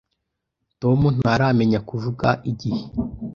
Tom ntaramenya kuvuga igihe.